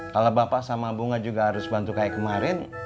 kalau bapak sama bunga juga harus bantu kayak kemarin